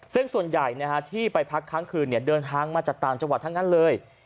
ซึ่งส่วนใหญ่ที่ไปพักครั้งคืนเดินทางมาจากต่างจังหวัดทั้งนั้นเลย